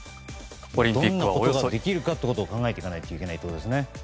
オリンピックをどうできるかということを考えていかなきゃいけないということですね。